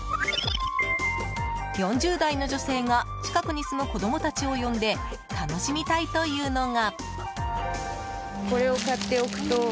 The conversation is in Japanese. ４０代の女性が近くに住む子供たちを呼んで楽しみたいというのが。